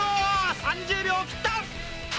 ３０秒を切った！